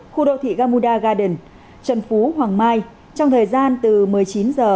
khu đô thị gamuda garden trần phú hoàng mai trong thời gian từ một mươi chín h ngày hai mươi sáu tháng một mươi năm hai nghìn hai mươi một